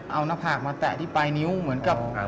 เอาหน้าผากมาแตะที่ปลายนิ้วเหมือนกับ